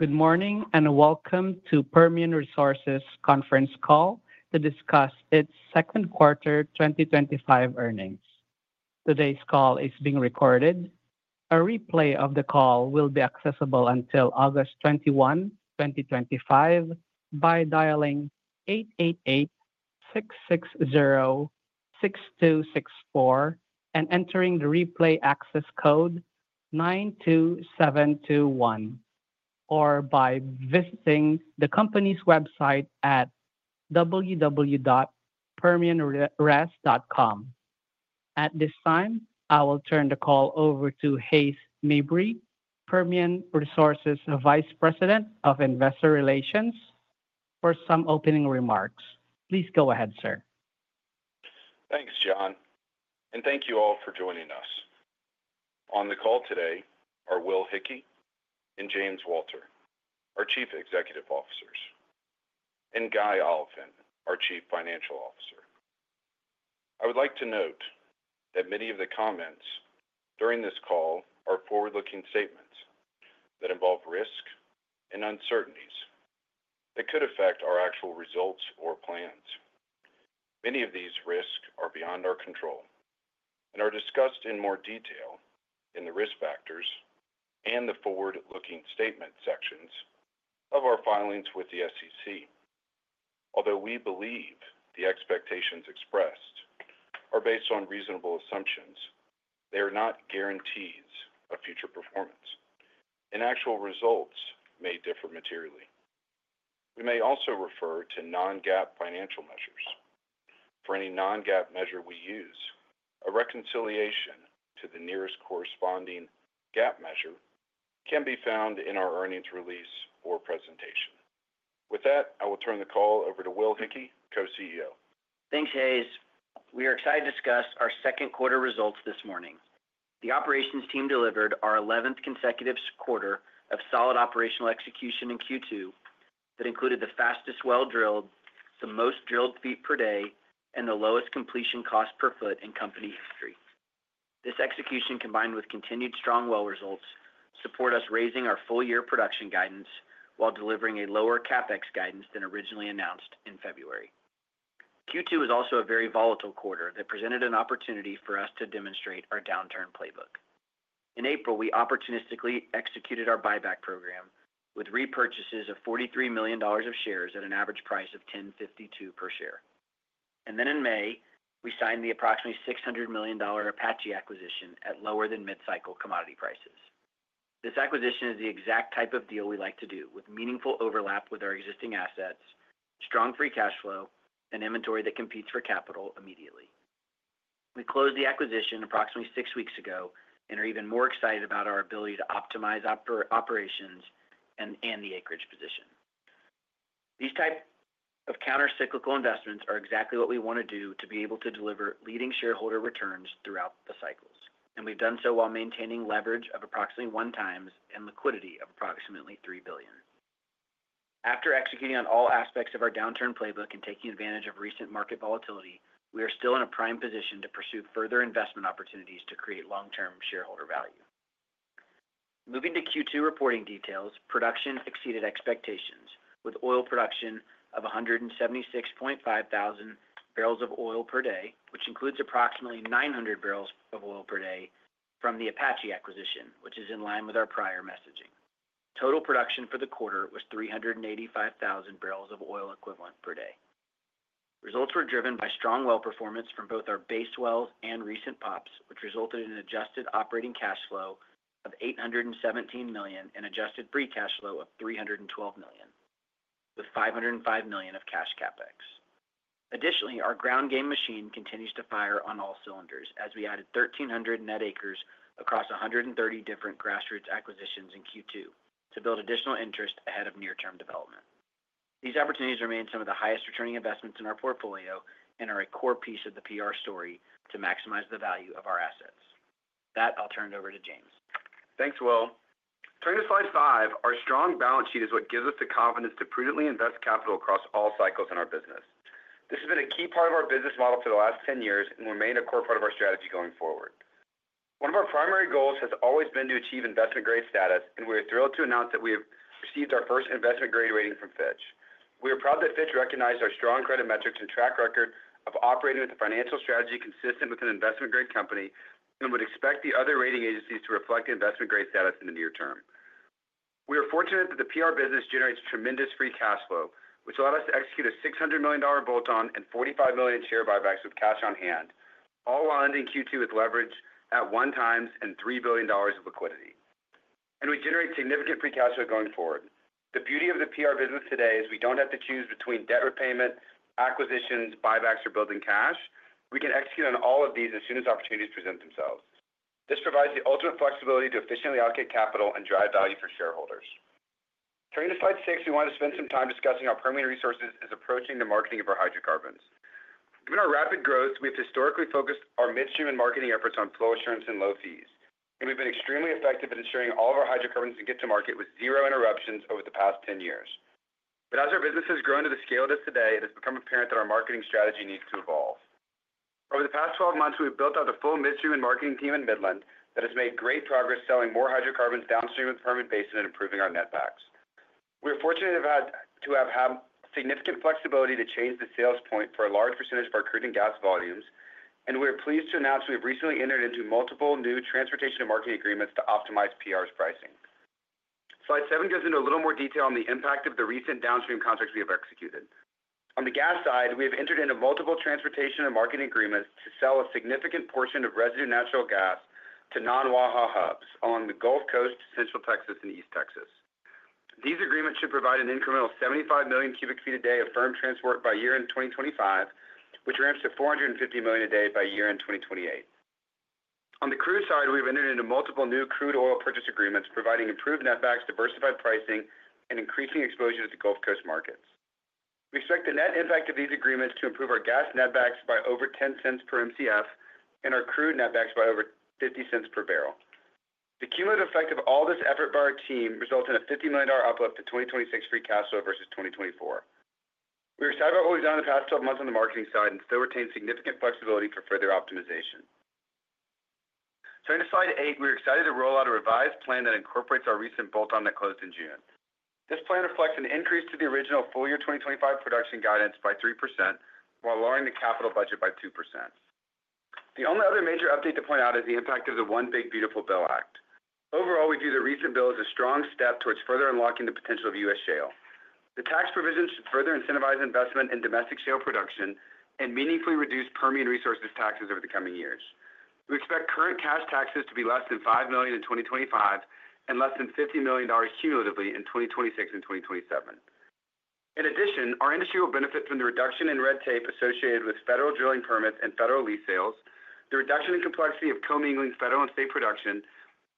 Good morning and welcome to the Permian Resources Conference Call to discuss its Second Quarter 2025 Earnings. Today's call is being recorded. A replay of the call will be accessible until August 21, 2025, by dialing 888-660-6264 and entering the replay access code 92721, or by visiting the company's website at www.permianres.com. At this time, I will turn the call over to Hays Mabry, Permian Resources Vice President of Investor Relations, for some opening remarks. Please go ahead, sir. Thanks, John, and thank you all for joining us. On the call today are Will Hickey and James Walter, our Chief Executive Officers, and Guy Oliphint, our Chief Financial Officer. I would like to note that many of the comments during this call are forward-looking statements that involve risks and uncertainties that could affect our actual results or plans. Many of these risks are beyond our control and are discussed in more detail in the risk factors and the forward-looking statement sections of our filings with the SEC. Although we believe the expectations expressed are based on reasonable assumptions, they are not guarantees of future performance, and actual results may differ materially. We may also refer to non-GAAP financial measures. For any non-GAAP measure we use, a reconciliation to the nearest corresponding GAAP measure can be found in our earnings release or presentation. With that, I will turn the call over to Will Hickey, Co-CEO. Thanks, Hays. We are excited to discuss our second quarter results this morning. The operations team delivered our 11th consecutive quarter of solid operational execution in Q2 that included the fastest well drilled, some most drilled feet per day, and the lowest completion cost per foot in company history. This execution, combined with continued strong well results, support us raising our full-year production guidance while delivering a lower CapEx guidance than originally announced in February. Q2 was also a very volatile quarter that presented an opportunity for us to demonstrate our downturn playbook. In April, we opportunistically executed our buyback program with repurchases of $43 million of shares at an average price of $10.52 per share. In May, we signed the approximately $600 million Apache acquisition at lower than mid-cycle commodity prices. This acquisition is the exact type of deal we like to do, with meaningful overlap with our existing assets, strong free cash flow, and inventory that competes for capital immediately. We closed the acquisition approximately six weeks ago and are even more excited about our ability to optimize operations and the acreage position. These types of countercyclical investments are exactly what we want to do to be able to deliver leading shareholder returns throughout the cycles, and we've done so while maintaining leverage of approximately one times and liquidity of approximately $3 billion. After executing on all aspects of our downturn playbook and taking advantage of recent market volatility, we are still in a prime position to pursue further investment opportunities to create long-term shareholder value. Moving to Q2 reporting details, production exceeded expectations with oil production of 176.5 thousand barrels of oil per day, which includes approximately 900 barrels of oil per day from the Apache acquisition, which is in line with our prior messaging. Total production for the quarter was 385 thousand barrels of oil equivalent per day. Results were driven by strong well performance from both our base wells and recent pops, which resulted in an adjusted operating cash flow of $817 million and an adjusted free cash flow of $312 million, with $505 million of cash CapEx. Additionally, our ground game machine continues to fire on all cylinders as we added 1,300 net acres across 130 different grassroots acquisitions in Q2 to build additional interest ahead of near-term development. These opportunities remain some of the highest returning investments in our portfolio and are a core piece of the PR story to maximize the value of our assets. With that, I'll turn it over to James. Thanks, Will. Turning to slide five, our strong balance sheet is what gives us the confidence to prudently invest capital across all cycles in our business. This has been a key part of our business model for the last 10 years and will remain a core part of our strategy going forward. One of our primary goals has always been to achieve investment-grade status, and we are thrilled to announce that we have received our first investment-grade rating from Fitch. We are proud that Fitch recognized our strong credit metrics and track record of operating with a financial strategy consistent with an investment-grade company and would expect the other rating agencies to reflect investment-grade status in the near term. We are fortunate that the PR business generates tremendous free cash flow, which allowed us to execute a $600 million bolt-on and $45 million share buybacks with cash on hand, all while ending Q2 with leverage at 1x and $3 billion of liquidity. We generate significant free cash flow going forward. The beauty of the PR business today is we don't have to choose between debt repayment, acquisitions, buybacks, or building cash. We can execute on all of these as soon as opportunities present themselves. This provides the ultimate flexibility to efficiently allocate capital and drive value for shareholders. Turning to slide six, we want to spend some time discussing how Permian Resources is approaching the marketing of our hydrocarbons. Given our rapid growth, we have historically focused our midstream and marketing efforts on flow assurance and low fees, and we've been extremely effective at ensuring all of our hydrocarbons can get to market with zero interruptions over the past 10 years. As our business has grown to the scale it is today, it has become apparent that our marketing strategy needs to evolve. Over the past 12 months, we've built out a full midstream and marketing team in Midland that has made great progress selling more hydrocarbons downstream of the Permian Basin and improving our net packs. We are fortunate to have had significant flexibility to change the sales point for a large percentage of our crude and gas volumes, and we are pleased to announce we have recently entered into multiple new transportation and marketing agreements to optimize PR's pricing. Slide seven gives a little more detail on the impact of the recent downstream contracts we have executed. On the gas side, we have entered into multiple transportation and marketing agreements to sell a significant portion of residue natural gas to non-Waha hubs along the Gulf Coast, Central Texas, and East Texas. These agreements should provide an incremental 75 million cubic ft a day of firm transport by year-end 2025, which ramps to 450 million a day by year-end 2028. On the crude side, we've entered into multiple new crude oil purchase agreements, providing improved net backs, diversified pricing, and increasing exposure to the Gulf Coast markets. We expect the net impact of these agreements to improve our gas net backs by over $0.10 per MCF and our crude net backs by over $0.50 per bbl. The cumulative effect of all this effort by our team results in a $50 million uplift to 2026 free cash flow versus 2024. We're excited about what we've done in the past 12 months on the marketing side and still retain significant flexibility for further optimization. Turning to slide eight, we're excited to roll out a revised plan that incorporates our recent bolt-on that closed in June. This plan reflects an increase to the original full-year 2025 production guidance by 3% while lowering the capital budget by 2%. The only other major update to point out is the impact of the One Big Beautiful Bill Act. Overall, we view the recent bill as a strong step towards further unlocking the potential of U.S. shale. The tax provision should further incentivize investment in domestic shale production and meaningfully reduce Permian Resources taxes over the coming years. We expect current cash taxes to be less than $5 million in 2025 and less than $50 million cumulatively in 2026 and 2027. In addition, our industry will benefit from the reduction in red tape associated with federal drilling permits and federal lease sales, the reduction in complexity of commingling federal and state production,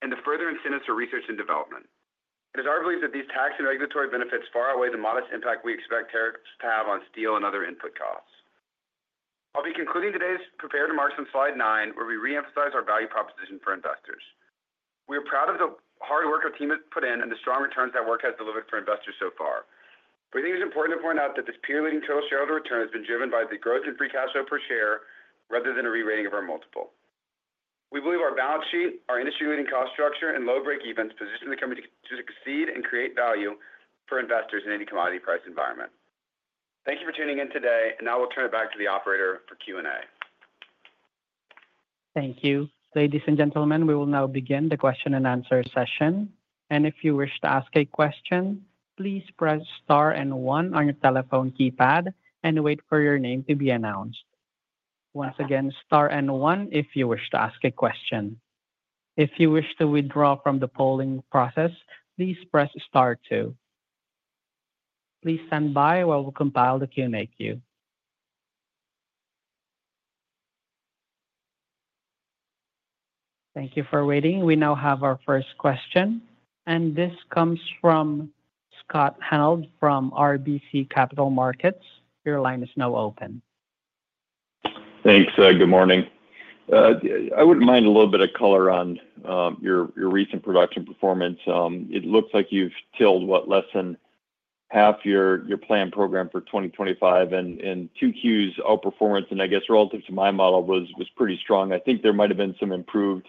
and the further incentives for research and development. It is our belief that these tax and regulatory benefits far outweigh the modest impact we expect tariffs to have on steel and other input costs. I'll be concluding today's prepared remarks on slide nine, where we reemphasize our value proposition for investors. We are proud of the hard work our team has put in and the strong returns that work has delivered for investors so far. We think it's important to point out that this peer-leading total shareholder return has been driven by the growth in free cash flow per share rather than a rerating of our multiple. We believe our balance sheet, our industry-leading cost structure, and low-breaking events position the company to succeed and create value for investors in any commodity price environment. Thank you for tuning in today, and now we'll turn it back to the operator for Q&A. Thank you, ladies and gentlemen. We will now begin the question-and-answer session. If you wish to ask a question, please press star and one on your telephone keypad and wait for your name to be announced. Once again, star and one if you wish to ask a question. If you wish to withdraw from the polling process, please press star two. Please stand by while we compile the Q&A queue. Thank you for waiting. We now have our first question, and this comes from Scott Hanold from RBC Capital Markets. Your line is now open. Thanks. Good morning. I wouldn't mind a little bit of color on your recent production performance. It looks like you've tilled, what, less than half your planned program for 2025, and in two Qs, our performance, and I guess relative to my model, was pretty strong. I think there might have been some improved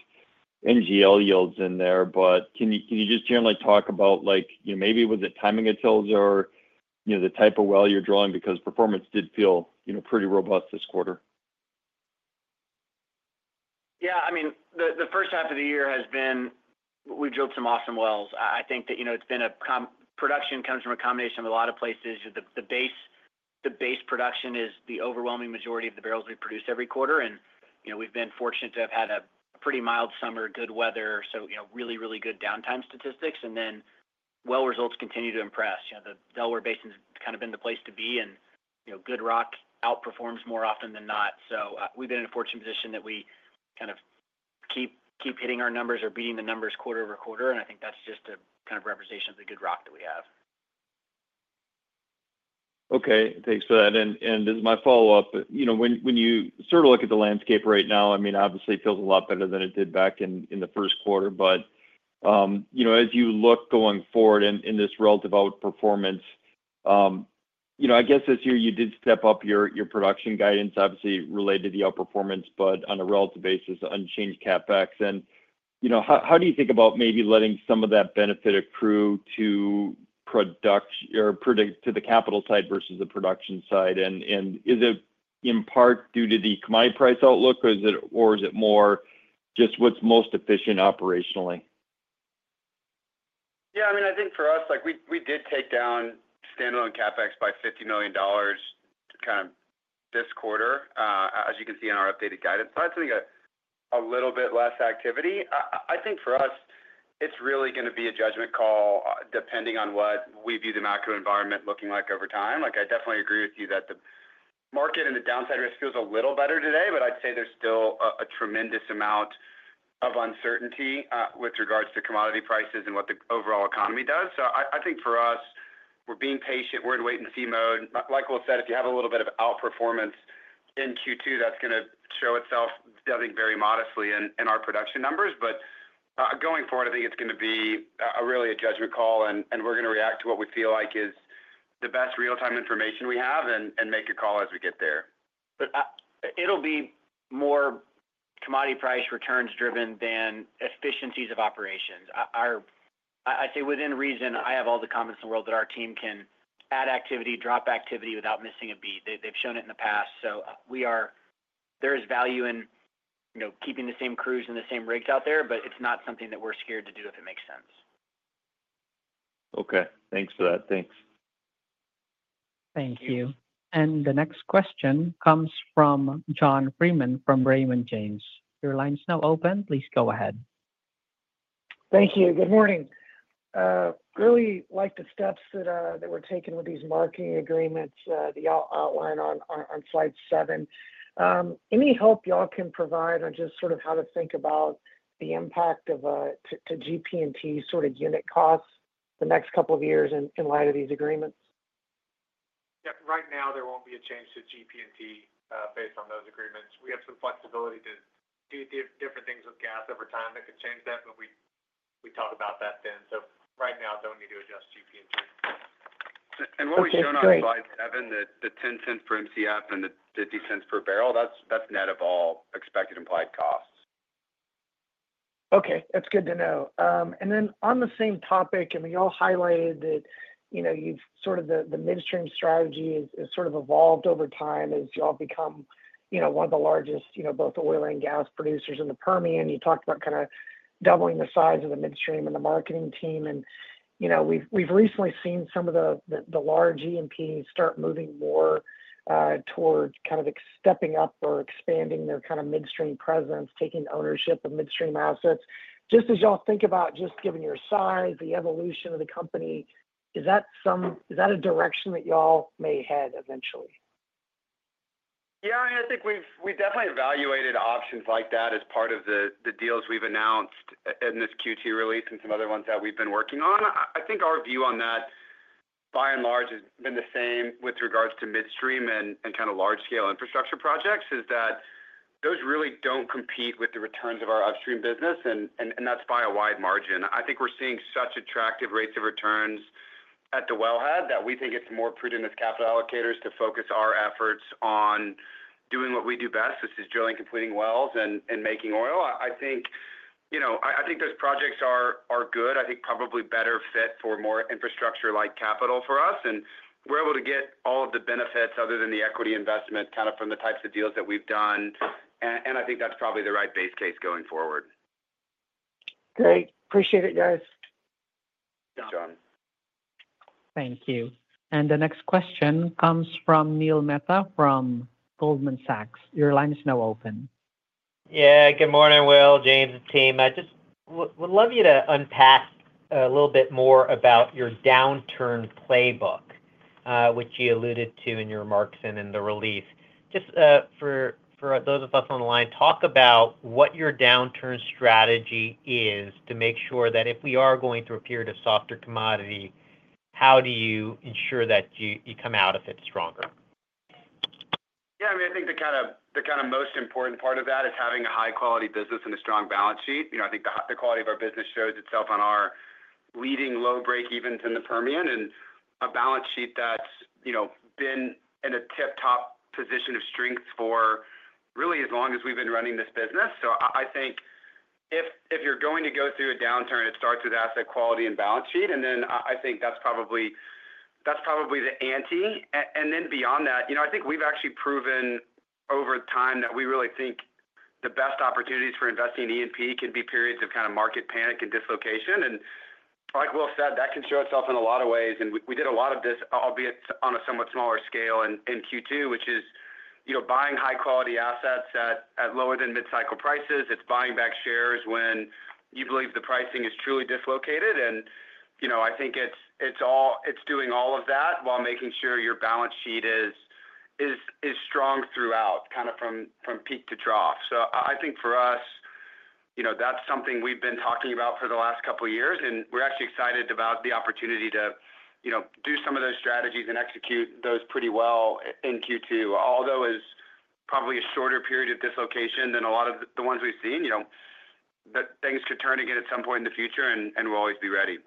NGL yields in there, but can you just generally talk about, like, you know, maybe it was the timing itself or, you know, the type of well you're drilling? Because performance did feel, you know, pretty robust this quarter. Yeah, I mean, the first half of the year has been, we've drilled some awesome wells. I think that, you know, it's been a production, comes from a combination of a lot of places. The base, the base production is the overwhelming majority of the barrels we produce every quarter. You know, we've been fortunate to have had a pretty mild summer, good weather, really, really good downtime statistics. Then well results continue to impress. You know, the Delaware Basin has kind of been the place to be, and, you know, good rock outperforms more often than not. We've been in a fortunate position that we kind of keep, keep hitting our numbers or beating the numbers quarter-over-quarter. I think that's just a kind of representation of the good rock that we have. Okay, thanks for that. This is my follow-up. When you sort of look at the landscape right now, obviously it feels a lot better than it did back in the first quarter. As you look going forward in this relative outperformance, I guess this year you did step up your production guidance, obviously related to the outperformance, but on a relative basis, unchanged CapEx. How do you think about maybe letting some of that benefit accrue to production, or to the capital type versus the production side? Is it in part due to the commodity price outlook, or is it more just what's most efficient operationally? Yeah, I mean, I think for us, like we did take down standalone CapEx by $50 million this quarter, as you can see in our updated guidance. I think a little bit less activity. I think for us, it's really going to be a judgment call depending on what we view the macro environment looking like over time. I definitely agree with you that the market and the downside risk feels a little better today, but I'd say there's still a tremendous amount of uncertainty with regards to commodity prices and what the overall economy does. I think for us, we're being patient. We're in wait-and-see mode. Like Will said, if you have a little bit of outperformance in Q2, that's going to show itself, I think, very modestly in our production numbers. Going forward, I think it's going to be really a judgment call, and we're going to react to what we feel like is the best real-time information we have and make a call as we get there. It will be more commodity price returns driven than efficiencies of operations. I'd say within reason, I have all the confidence in the world that our team can add activity or drop activity without missing a beat. They've shown it in the past. There is value in keeping the same crews and the same rigs out there, but it's not something that we're scared to do if it makes sense. Okay, thanks for that. Thanks. Thank you. The next question comes from John Freeman from Raymond James. Your line's now open. Please go ahead. Thank you. Good morning. I really like the steps that were taken with these marketing agreements that y'all outlined on slide seven. Any help y'all can provide on just sort of how to think about the impact of GP&T sort of unit costs the next couple of years in light of these agreements? Right now, there won't be a change to GP&T based on those agreements. We have some flexibility to do different things with gas over time that could change that, but we talk about that then. Right now, I don't need to adjust GP&T. What we've shown on slide seven, the $0.10 per MCF and the $0.10 per barrel, is net of all expected implied costs. Okay, that's good to know. On the same topic, you all highlighted that the midstream strategy has evolved over time as you have become one of the largest oil and gas producers in the Permian. You talked about kind of doubling the size of the midstream and the marketing team. We've recently seen some of the large E&Ps start moving more towards stepping up or expanding their midstream presence, taking ownership of midstream assets. As you think about, given your size and the evolution of the company, is that a direction that you may head eventually? Yeah, I think we've definitely evaluated options like that as part of the deals we've announced in this Q2 release and some other ones that we've been working on. I think our view on that, by and large, has been the same with regards to midstream and kind of large-scale infrastructure projects, is that those really don't compete with the returns of our upstream business, and that's by a wide margin. We're seeing such attractive rates of returns at the wellhead that we think it's more prudent as capital allocators to focus our efforts on doing what we do best, which is drilling, completing wells, and making oil. I think those projects are good, probably better fit for more infrastructure-like capital for us. We're able to get all of the benefits other than the equity investment from the types of deals that we've done. I think that's probably the right base case going forward. Great. Appreciate it, guys. John. Thank you. The next question comes from Neil Mehta from Goldman Sachs. Your line is now open. Yeah, good morning, Will, James, the team. I just would love you to unpack a little bit more about your downturn playbook, which you alluded to in your remarks and in the release. For those of us on the line, talk about what your downturn strategy is to make sure that if we are going through a period of softer commodity, how do you ensure that you come out of it stronger? Yeah, I mean, I think the most important part of that is having a high-quality business and a strong balance sheet. I think the quality of our business shows itself on our leading low-break evens in the Permian and a balance sheet that's been in a tip-top position of strength for really as long as we've been running this business. I think if you're going to go through a downturn, it starts with asset quality and balance sheet. I think that's probably the ante. Beyond that, I think we've actually proven over time that we really think the best opportunities for investing in E&P can be periods of market panic and dislocation. Like Will said, that can show itself in a lot of ways. We did a lot of this, albeit on a somewhat smaller scale in Q2, which is buying high-quality assets at lower than mid-cycle prices. It's buying back shares when you believe the pricing is truly dislocated. I think it's doing all of that while making sure your balance sheet is strong throughout, from peak to trough. I think for us, that's something we've been talking about for the last couple of years. We're actually excited about the opportunity to do some of those strategies and execute those pretty well in Q2, although it's probably a shorter period of dislocation than a lot of the ones we've seen. Things could turn again at some point in the future, and we'll always be ready.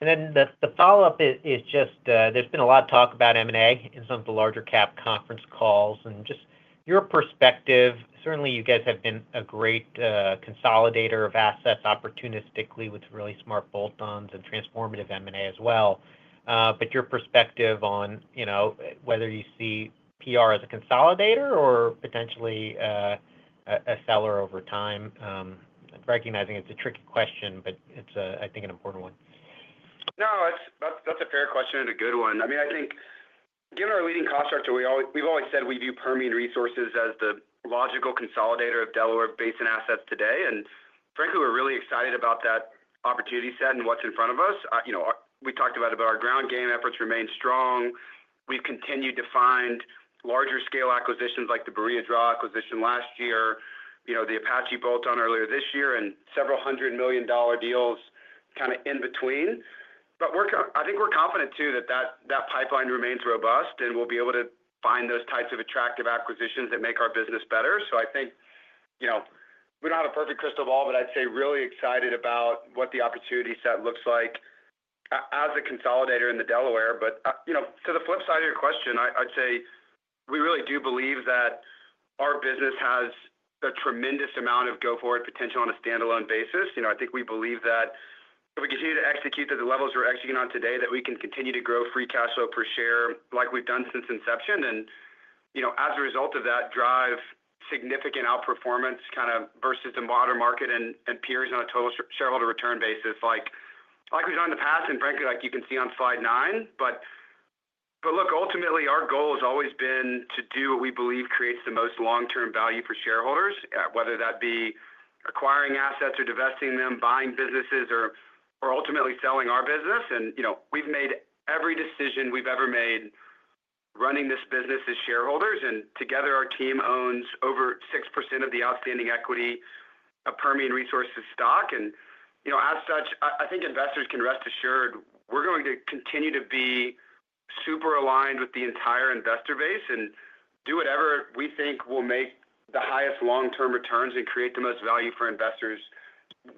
The follow-up is just there's been a lot of talk about M&A in some of the larger cap conference calls. Just your perspective, certainly you guys have been a great consolidator of assets opportunistically with really smart bolt-ons and transformative M&A as well. Your perspective on whether you see PR as a consolidator or potentially a seller over time, recognizing it's a tricky question, but it's a, I think, an important one. No, that's a fair question and a good one. I think given our leading cost structure, we've always said we view Permian Resources as the logical consolidator of Delaware Basin assets today. Frankly, we're really excited about that opportunity set and what's in front of us. We talked about it, but our ground game efforts remain strong. We've continued to find larger scale acquisitions like the Barilla Draw acquisition last year, the Apache bolt-on earlier this year, and several $100 million deals in between. I think we're confident too that that pipeline remains robust and we'll be able to find those types of attractive acquisitions that make our business better. I think we don't have a perfect crystal ball, but I'd say really excited about what the opportunity set looks like as a consolidator in the Delaware. To the flip side of your question, I'd say we really do believe that our business has a tremendous amount of go-forward potential on a standalone basis. I think we believe that if we continue to execute to the levels we're executing on today, we can continue to grow free cash flow per share like we've done since inception. As a result of that, drive significant outperformance versus the modern market and peers on a total shareholder return basis like we've done in the past, and like you can see on slide nine. Ultimately, our goal has always been to do what we believe creates the most long-term value for shareholders, whether that be acquiring assets or divesting them, buying businesses, or ultimately selling our business. We've made every decision we've ever made running this business as shareholders. Together, our team owns over 6% of the outstanding equity of Permian Resources' stock. As such, I think investors can rest assured we're going to continue to be super aligned with the entire investor base and do whatever we think will make the highest long-term returns and create the most value for investors,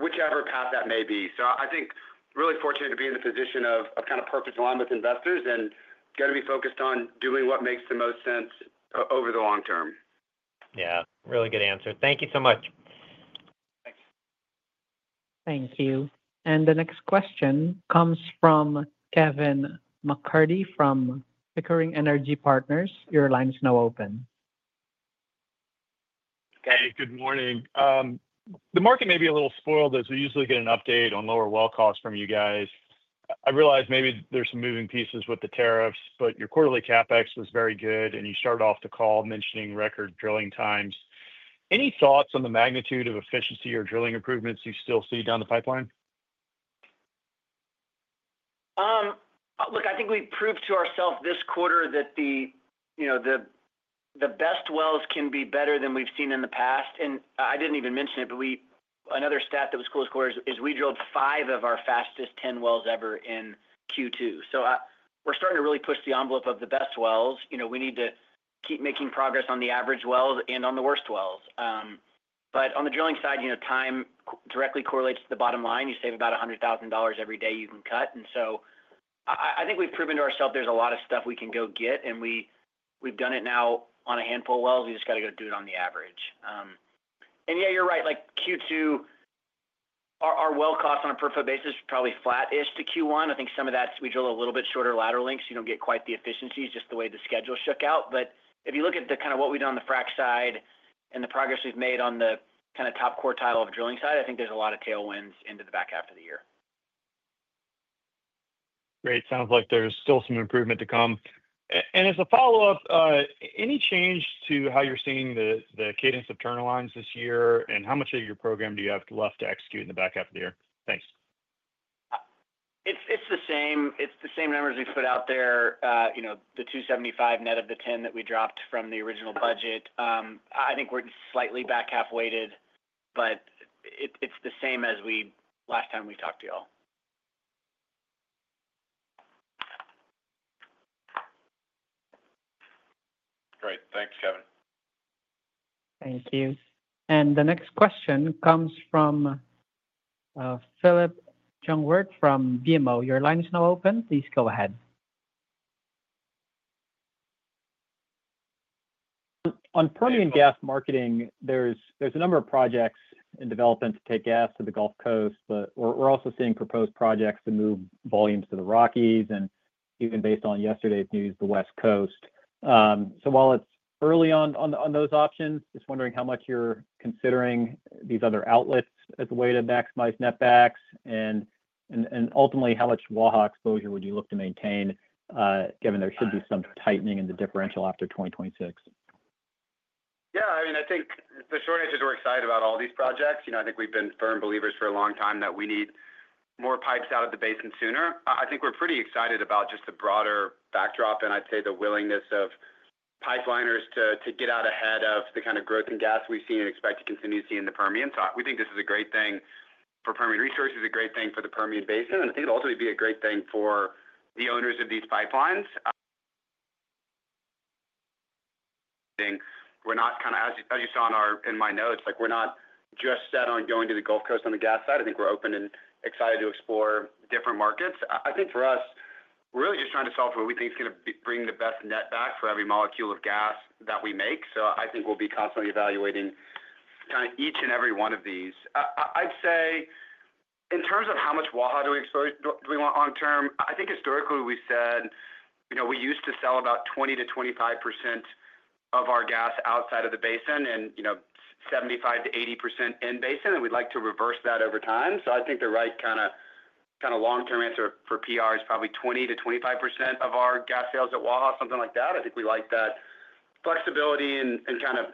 whichever path that may be. I think really fortunate to be in the position of perfect alignment with investors and going to be focused on doing what makes the most sense over the long term. Yeah, really good answer. Thank you so much. Thanks. Thank you. The next question comes from Kevin MacCurdy from Pickering Energy Partners. Your line's now open. Hey, good morning. The market may be a little spoiled as we usually get an update on lower well costs from you guys. I realize maybe there's some moving pieces with the tariffs, but your quarterly CapEx was very good, and you started off the call mentioning record drilling times. Any thoughts on the magnitude of efficiency or drilling improvements you still see down the pipeline? I think we proved to ourselves this quarter that the best wells can be better than we've seen in the past. I didn't even mention it, but another stat that was cool this quarter is we drilled five of our fastest 10 wells ever in Q2. We're starting to really push the envelope of the best wells. We need to keep making progress on the average wells and on the worst wells. On the drilling side, time directly correlates to the bottom line. You save about $100,000 every day you can cut. I think we've proven to ourselves there's a lot of stuff we can go get, and we've done it now on a handful of wells. We just got to go do it on the average. Yeah, you're right. Q2, our well costs on a per-foot basis are probably flat-ish to Q1. I think some of that's we drill a little bit shorter lateral lengths. You don't get quite the efficiencies just the way the schedule shook out. If you look at what we did on the frac side and the progress we've made on the top quartile of the drilling side, I think there's a lot of tailwinds into the back half of the year. Great. Sounds like there's still some improvement to come. As a follow-up, any change to how you're seeing the cadence of turnarounds this year? How much of your program do you have left to execute in the back half of the year? Thanks. It's the same. It's the same numbers we've put out there. You know, the $275 million net of the $10 million that we dropped from the original budget. I think we're slightly back half-weighted, but it's the same as we last time we talked to y'all. Great. Thanks, Kevin. Thank you. The next question comes from Philip Jungwirt from BMO. Your line is now open. Please go ahead. On Permian gas marketing, there's a number of projects in development to take gas to the Gulf Coast, but we're also seeing proposed projects to move volumes to the Rockies and even based on yesterday's news, the West Coast. While it's early on those options, just wondering how much you're considering these other outlets as a way to maximize net backs and ultimately how much Waha exposure would you look to maintain, given there should be some tightening in the differential after 2026? Yeah, I mean, I think for short answer, we're excited about all these projects. I think we've been firm believers for a long time that we need more pipes out of the basin sooner. We're pretty excited about just the broader backdrop, and I'd say the willingness of pipeliners to get out ahead of the kind of growth and gas we've seen and expect to continue to see in the Permian. We think this is a great thing for Permian Resources, a great thing for the Permian Basin, and I think it'll ultimately be a great thing for the owners of these pipelines. As you saw in my notes, we're not just set on going to the Gulf Coast on the gas side. I think we're open and excited to explore different markets. For us, we're really just trying to solve for what we think is going to bring the best net back for every molecule of gas that we make. We'll be constantly evaluating each and every one of these. In terms of how much Wahaha do we want long-term, I think historically we said we used to sell about 20%-25% of our gas outside of the basin and 75%-80% in basin, and we'd like to reverse that over time. I think the right kind of long-term answer for Permian Resources is probably 20%-25% of our gas sales at Wahaha, something like that. We like that flexibility and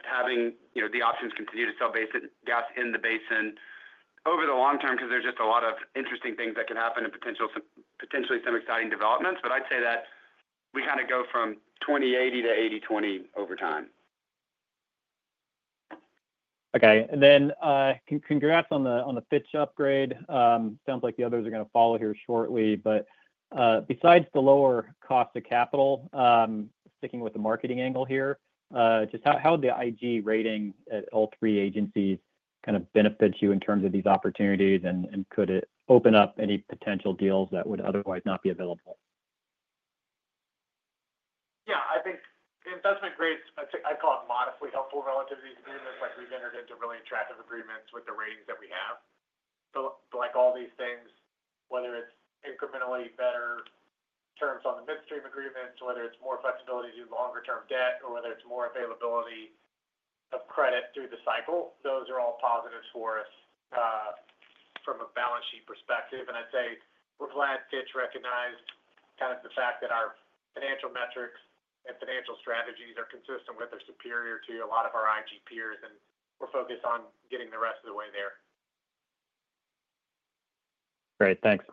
having the options to continue to sell basin gas in the basin over the long term because there's just a lot of interesting things that could happen and potentially some exciting developments. I'd say that we go from 20/80 to 80/20 over time. Okay. Congratulations on the Fitch upgrade. It sounds like the others are going to follow here shortly. Besides the lower cost of capital, sticking with the marketing angle here, just how does the IG rating at all three agencies kind of benefit you in terms of these opportunities, and could it open up any potential deals that would otherwise not be available? Yeah, I think the investment grade's, I'd call it modestly helpful relative to these agreements. Like we've entered into really attractive agreements with the ratings that we have. Like all these things, whether it's incrementally better terms on the midstream agreements, whether it's more flexibility to do longer-term debt, or whether it's more availability of credit through the cycle, those are all positives for us from a balance sheet perspective. I'd say we're glad Fitch recognized kind of the fact that our financial metrics and financial strategies are consistent with or superior to a lot of our IG peers, and we're focused on getting the rest of the way there. Great. Thanks.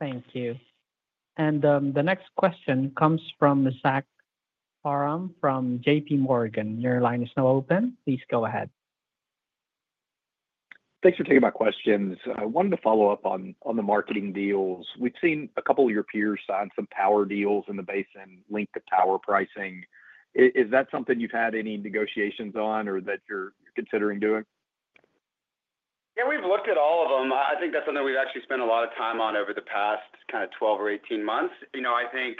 Thank you. The next question comes from Zachary Parham from JPMorgan. Your line is now open. Please go ahead. Thanks for taking my questions. I wanted to follow up on the marketing deals. We've seen a couple of your peers sign some power deals in the basin linked to power pricing. Is that something you've had any negotiations on or that you're considering doing? Yeah, we've looked at all of them. I think that's something we've actually spent a lot of time on over the past 12 or 18 months. I think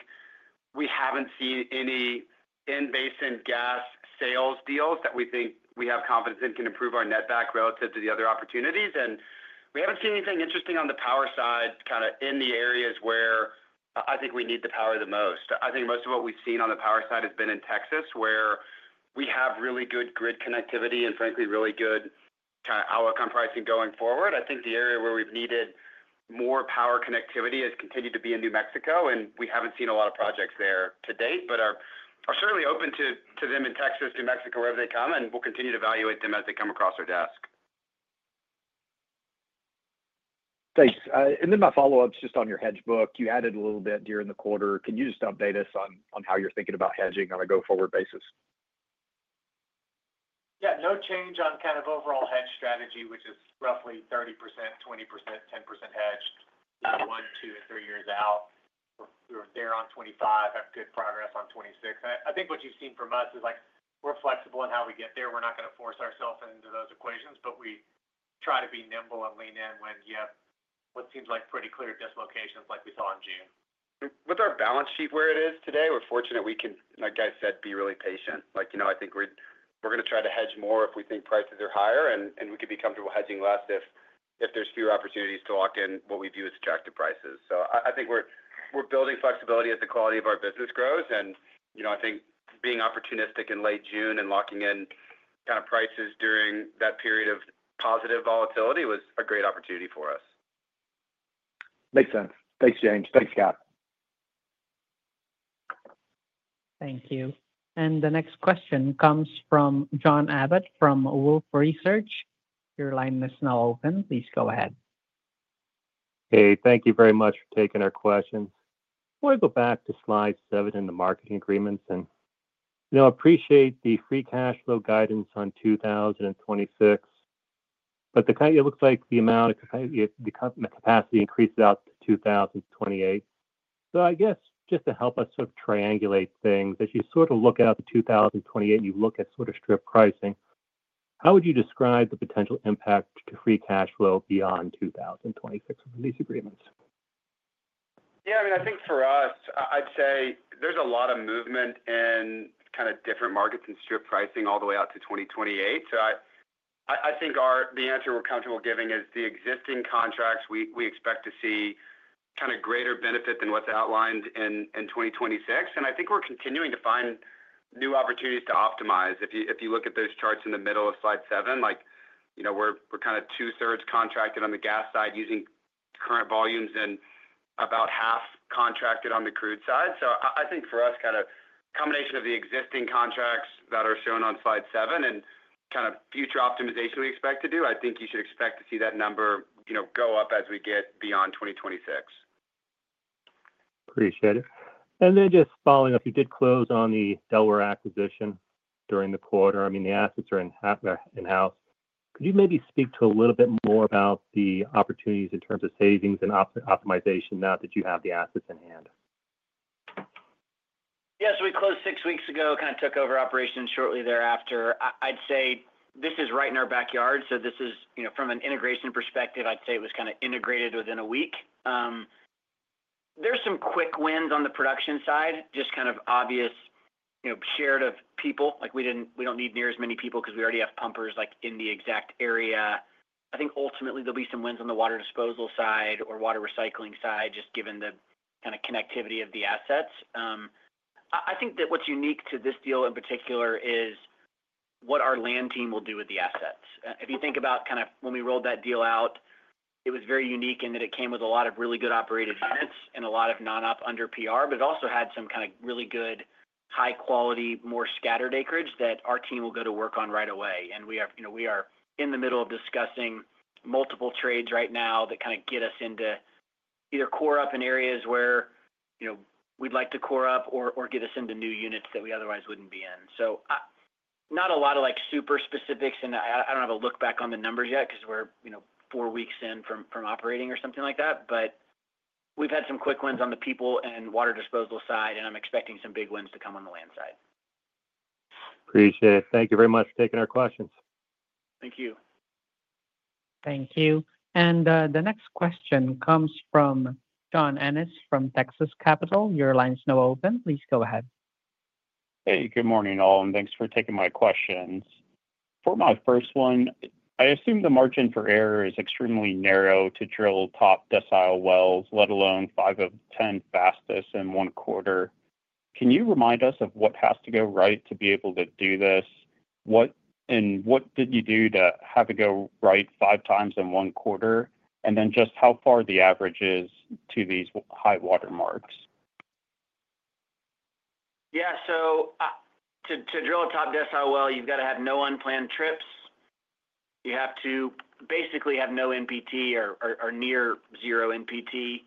we haven't seen any in-basin gas sales deals that we think we have confidence in can improve our net back relative to the other opportunities. We haven't seen anything interesting on the power side in the areas where I think we need the power the most. Most of what we've seen on the power side has been in Texas, where we have really good grid connectivity and, frankly, really good outcome pricing going forward. The area where we've needed more power connectivity has continued to be in New Mexico, and we haven't seen a lot of projects there to date, but are certainly open to them in Texas, New Mexico, wherever they come, and we'll continue to evaluate them as they come across our desk. Thanks. My follow-up is just on your hedge book. You added a little bit during the quarter. Can you just update us on how you're thinking about hedging on a go-forward basis? Yeah, no change on kind of overall hedge strategy, which is roughly 30%, 20%, 10% hedge at one, two, and three years out. We're there on 2025, have good progress on 2026. I think what you've seen from us is like we're flexible in how we get there. We're not going to force ourselves into those equations, but we try to be nimble and lean in when you have what seems like pretty clear dislocations like we saw in June. With our balance sheet where it is today, we're fortunate we can, like I said, be really patient. I think we're going to try to hedge more if we think prices are higher, and we could be comfortable hedging less if there's fewer opportunities to lock in what we view as attractive prices. I think we're building flexibility as the quality of our business grows. I think being opportunistic in late June and locking in kind of prices during that period of positive volatility was a great opportunity for us. Makes sense. Thanks, James. Thanks, Zach. Thank you. The next question comes from John Abbott from Wolfe Research. Your line is now open. Please go ahead. Thank you very much for taking our question. I want to go back to slide seven in the marketing agreements. I appreciate the free cash flow guidance on 2026, but it looks like the amount of the capacity increased out to 2028. I guess just to help us sort of triangulate things, as you sort of look out to 2028 and you look at sort of strip pricing, how would you describe the potential impact to free cash flow beyond 2026 from these agreements? Yeah, I mean, I think for us, I'd say there's a lot of movement in different markets and strip pricing all the way out to 2028. I think the answer we're comfortable giving is the existing contracts we expect to see greater benefit than what's outlined in 2026. I think we're continuing to find new opportunities to optimize. If you look at those charts in the middle of slide seven, we're kind of two-thirds contracted on the gas side using current volumes and about half contracted on the crude side. For us, a combination of the existing contracts that are shown on slide seven and future optimization we expect to do, I think you should expect to see that number go up as we get beyond 2026. Appreciate it. Just following up, you did close on the Delaware acquisition during the quarter. I mean, the assets are in-house. Could you maybe speak to a little bit more about the opportunities in terms of savings and optimization now that you have the assets in hand? Yeah, we closed six weeks ago, kind of took over operations shortly thereafter. I'd say this is right in our backyard. From an integration perspective, I'd say it was kind of integrated within a week. There are some quick wins on the production side, just kind of obvious, shared people. We don't need near as many people because we already have pumpers in the exact area. I think ultimately there will be some wins on the water disposal side or water recycling side, just given the connectivity of the assets. What's unique to this deal in particular is what our land team will do with the assets. If you think about when we rolled that deal out, it was very unique in that it came with a lot of really good operating units and a lot of non-op under PR, but it also had some really good, high-quality, more scattered acreage that our team will go to work on right away. We are in the middle of discussing multiple trades right now that get us into either core up in areas where we'd like to core up or get us into new units that we otherwise wouldn't be in. Not a lot of super specifics, and I don't have a look back on the numbers yet because we're four weeks in from operating or something like that. We've had some quick wins on the people and water disposal side, and I'm expecting some big wins to come on the land side. Appreciate it. Thank you very much for taking our questions. Thank you. Thank you. The next question comes from John Annis from Texas Capital. Your line's now open. Please go ahead. Hey, good morning all, and thanks for taking my questions. For my first one, I assume the margin for error is extremely narrow to drill top decile wells, let alone five of 10 fastest in one quarter. Can you remind us of what has to go right to be able to do this? What did you do to have it go right five times in one quarter? Just how far is the average to these high water marks? Yeah, to drill a top docile well, you've got to have no unplanned trips. You have to basically have no NPT or near zero NPT.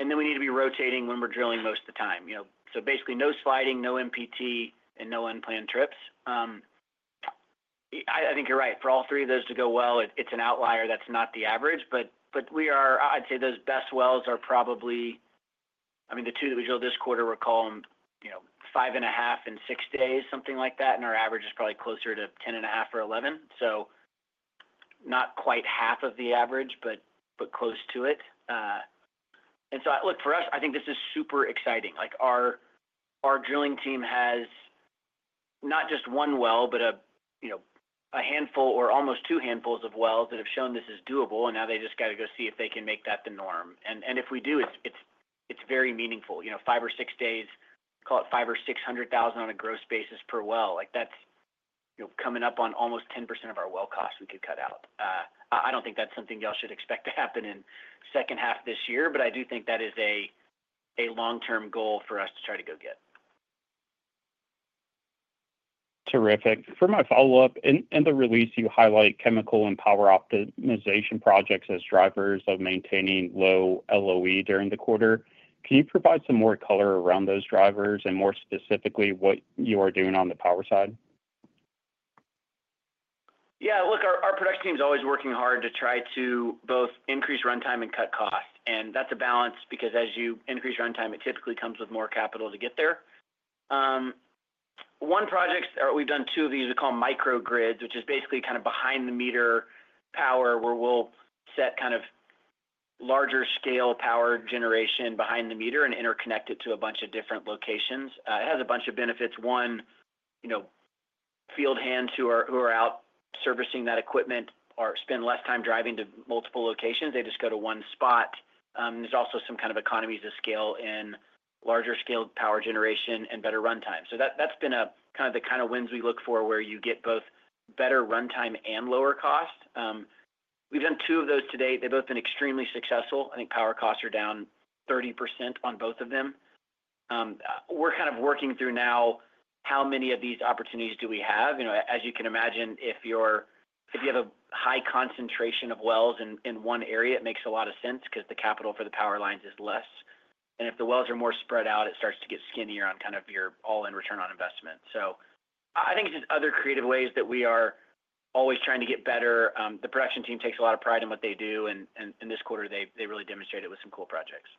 We need to be rotating when we're drilling most of the time, so basically no sliding, no NPT, and no unplanned trips. I think you're right. For all three of those to go well, it's an outlier, that's not the average. We are, I'd say those best wells are probably, I mean, the two that we drilled this quarter, we're calling them five and a half and six days, something like that. Our average is probably closer to 10.5 or 11. Not quite half of the average, but close to it. For us, I think this is super exciting. Our drilling team has not just one well, but a handful or almost two handfuls of wells that have shown this is doable. Now they just got to go see if they can make that the norm. If we do, it's very meaningful. Five or six days, call it $500,000 or $600,000 on a gross basis per well. That's coming up on almost 10% of our well cost we could cut out. I don't think that's something y'all should expect to happen in the second half of this year, but I do think that is a long-term goal for us to try to go get. Terrific. For my follow-up, in the release, you highlight chemical and power optimization projects as drivers of maintaining low LOE during the quarter. Can you provide some more color around those drivers and more specifically what you are doing on the power side? Yeah, look, our production team is always working hard to try to both increase runtime and cut cost. That's a balance because as you increase runtime, it typically comes with more capital to get there. One project, we've done two of these, we call microgrids, which is basically kind of behind-the-meter power where we'll set kind of larger-scale power generation behind the meter and interconnect it to a bunch of different locations. It has a bunch of benefits. One, you know, field hands who are out servicing that equipment spend less time driving to multiple locations. They just go to one spot. There's also some kind of economies of scale in larger-scale power generation and better runtime. That's been kind of the kind of wins we look for where you get both better runtime and lower cost. We've done two of those today. They've both been extremely successful. I think power costs are down 30% on both of them. We're kind of working through now how many of these opportunities do we have. You know, as you can imagine, if you have a high concentration of wells in one area, it makes a lot of sense because the capital for the power lines is less. If the wells are more spread out, it starts to get skinnier on kind of your all-in return on investment. I think it's just other creative ways that we are always trying to get better. The production team takes a lot of pride in what they do, and in this quarter, they really demonstrated with some cool projects.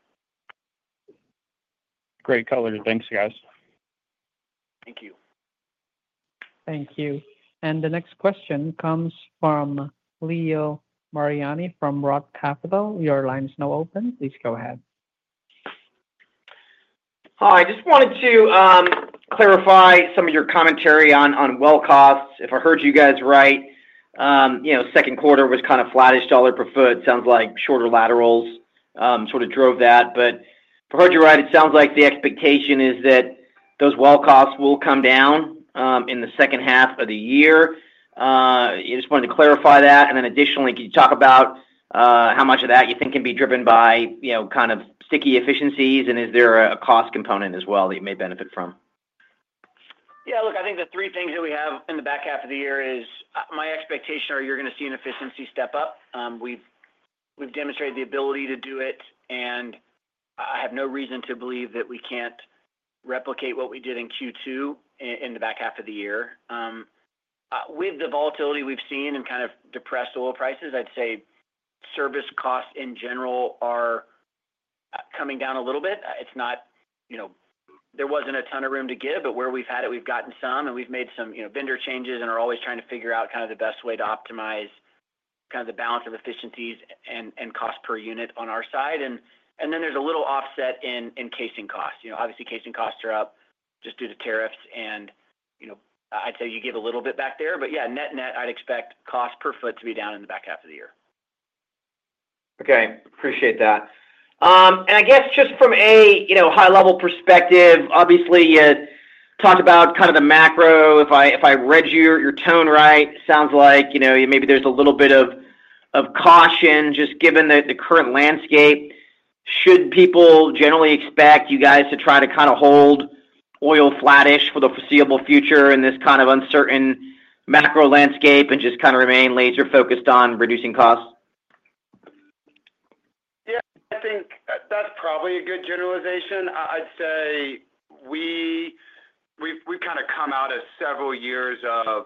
Great color. Thanks, guys. Thank you. Thank you. The next question comes from Leo Mariani from ROTH Capital. Your line's now open. Please go ahead. Hi, I just wanted to clarify some of your commentary on well costs. If I heard you guys right, second quarter was kind of flattish dollar per foot. It sounds like shorter laterals sort of drove that. If I heard you right, it sounds like the expectation is that those well costs will come down in the second half of the year. I just wanted to clarify that. Additionally, can you talk about how much of that you think can be driven by kind of sticky efficiencies? Is there a cost component as well that you may benefit from? Yeah, look, I think the three things that we have in the back half of the year is my expectation is you're going to see an efficiency step up. We've demonstrated the ability to do it, and I have no reason to believe that we can't replicate what we did in Q2 in the back half of the year. With the volatility we've seen and kind of depressed oil prices, I'd say service costs in general are coming down a little bit. It's not, you know, there wasn't a ton of room to give, but where we've had it, we've gotten some, and we've made some vendor changes and are always trying to figure out kind of the best way to optimize kind of the balance of efficiencies and cost per unit on our side. There's a little offset in casing costs. Obviously, casing costs are up just due to tariffs, and I'd say you give a little bit back there. Net-net, I'd expect cost per foot to be down in the back half of the year. Okay, appreciate that. I guess just from a high-level perspective, obviously, you talked about kind of the macro. If I read your tone right, it sounds like maybe there's a little bit of caution just given the current landscape. Should people generally expect you guys to try to kind of hold oil flattish for the foreseeable future in this kind of uncertain macro landscape and just kind of remain laser-focused on reducing costs? I think that's probably a good generalization. I'd say we've come out of several years of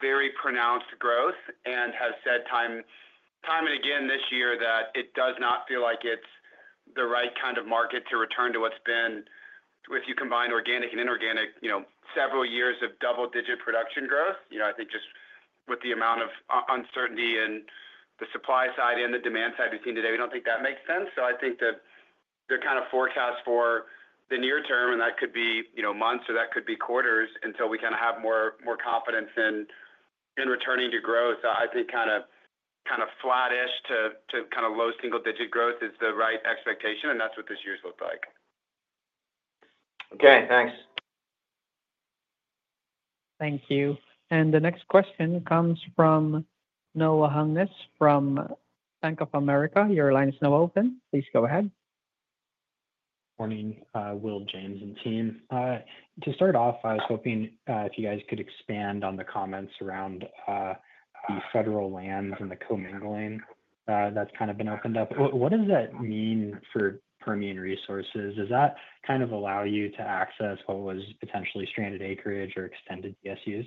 very pronounced growth and have said time and again this year that it does not feel like it's the right kind of market to return to what's been, if you combine organic and inorganic, several years of double-digit production growth. I think just with the amount of uncertainty in the supply side and the demand side we've seen today, we don't think that makes sense. I think that the kind of forecast for the near term, and that could be months or that could be quarters until we have more confidence in returning to growth. I think flattish to low single-digit growth is the right expectation, and that's what this year's looked like. Okay, thanks. Thank you. The next question comes from Noah Hungness from Bank of America. Your line is now open. Please go ahead. Morning, Will, James, and team. To start off, I was hoping if you guys could expand on the comments around the federal lands and the commingling that's kind of been opened up. What does that mean for Permian Resources? Does that kind of allow you to access what was potentially stranded acreage or extended DSUs?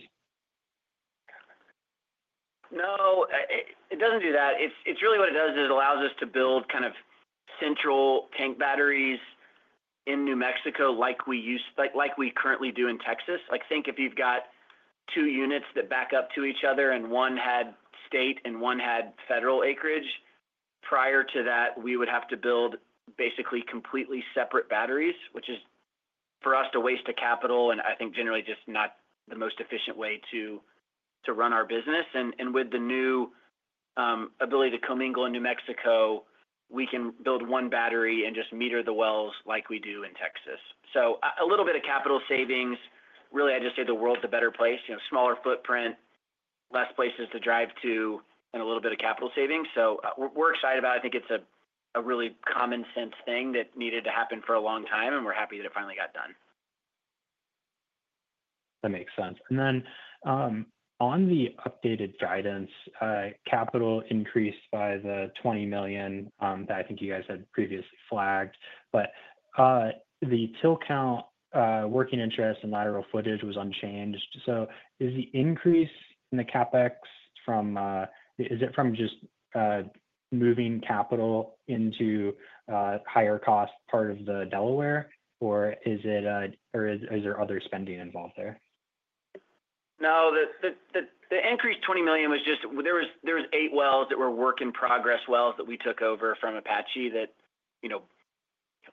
No, it doesn't do that. What it does is it allows us to build kind of central tank batteries in New Mexico like we use, like we currently do in Texas. If you've got two units that back up to each other and one had state and one had federal acreage, prior to that, we would have to build basically completely separate batteries, which is for us a waste of capital, and I think generally just not the most efficient way to run our business. With the new ability to commingle in New Mexico, we can build one battery and just meter the wells like we do in Texas. A little bit of capital savings. I just say the world's a better place, you know, smaller footprint, fewer places to drive to, and a little bit of capital savings. We're excited about it. I think it's a really common sense thing that needed to happen for a long time, and we're happy that it finally got done. That makes sense. On the updated guidance, capital increased by the $20 million that I think you guys had previously flagged, but the rig count, working interest, and lateral footage was unchanged. Is the increase in the CapEx from just moving capital into a higher cost part of the Delaware, or is there other spending involved there? No, the increased $20 million was just, there were eight wells that were work-in-progress wells that we took over from Apache that, you know,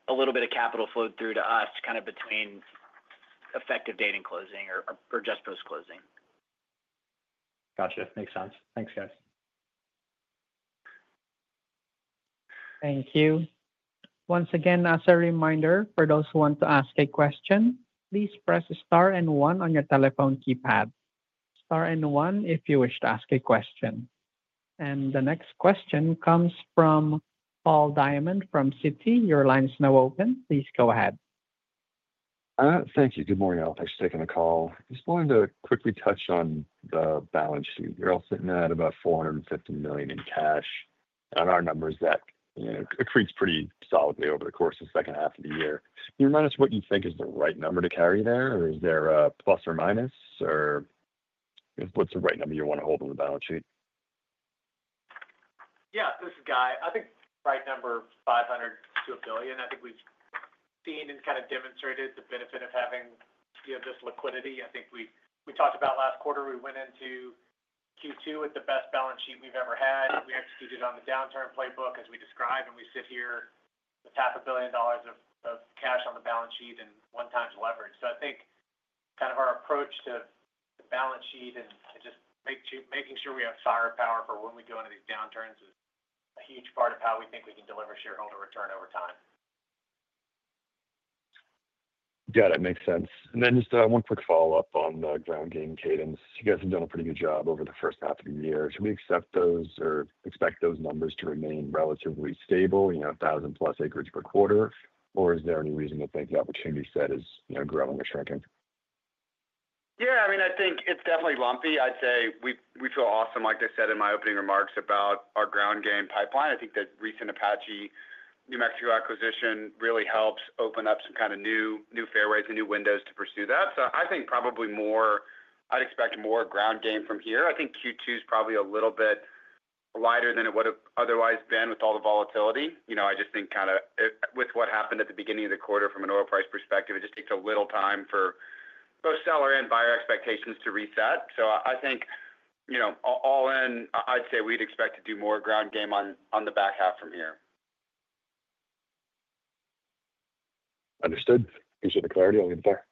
a little bit of capital flowed through to us kind of between effective date and closing or just post-closing. Gotcha. Makes sense. Thanks, guys. Thank you. Once again, as a reminder, for those who want to ask a question, please press star and one on your telephone keypad. Star and one if you wish to ask a question. The next question comes from Paul Diamond from Citi. Your line is now open. Please go ahead. Thank you. Good morning, all. Thanks for taking the call. I just wanted to quickly touch on the balance sheet. You're all sitting at about $450 million in cash. On our numbers, that accretes pretty solidly over the course of the second half of the year. Can you remind us what you think is the right number to carry there? Is there a plus or minus? What's the right number you want to hold on the balance sheet? Yeah, this is Guy. I think right number $500 million-$1 billion. I think we've seen and kind of demonstrated the benefit of having this liquidity. I think we talked about last quarter, we went into Q2 with the best balance sheet we've ever had. We executed on the downturn playbook as we described, and we sit here with $500 million of cash on the balance sheet and leverage at 1x. I think our approach to the balance sheet and just making sure we have firepower for when we go into these downturns is a huge part of how we think we can deliver shareholder return over time. Got it. Makes sense. Just one quick follow-up on the ground game cadence. You guys have done a pretty good job over the first half of the year. Should we expect those numbers to remain relatively stable, you know, 1,000+ acreage per quarter? Is there any reason to think the opportunity set is growing or shrinking? Yeah, I mean, I think it's definitely lumpy. I'd say we feel awesome, like I said in my opening remarks about our ground game pipeline. I think the recent Apache New Mexico acquisition really helps open up some kind of new new fairways and new windows to pursue that. I think probably more, I'd expect more ground game from here. I think Q2 is probably a little bit lighter than it would have otherwise been with all the volatility. I just think kind of with what happened at the beginning of the quarter from an oil price perspective, it just takes a little time for both seller and buyer expectations to reset. I think, all in, I'd say we'd expect to do more ground game on the back half from here. Understood. Appreciate the clarity on the entire.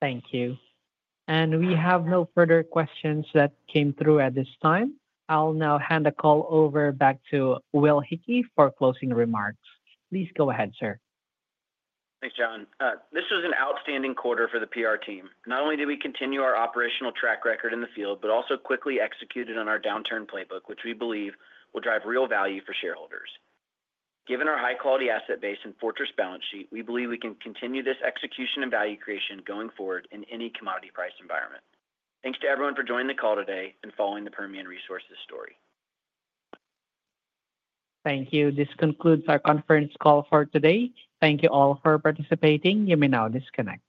Thank you. We have no further questions that came through at this time. I'll now hand the call over back to Will Hickey for closing remarks. Please go ahead, sir. Thanks, John. This was an outstanding quarter for the PR team. Not only did we continue our operational track record in the field, but also quickly executed on our downturn playbook, which we believe will drive real value for shareholders. Given our high-quality asset base and fortress balance sheet, we believe we can continue this execution and value creation going forward in any commodity price environment. Thanks to everyone for joining the call today and following the Permian Resources story. Thank you. This concludes our conference call for today. Thank you all for participating. You may now disconnect.